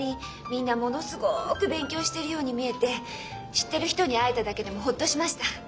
みんなものすごく勉強してるように見えて知ってる人に会えただけでもほっとしました。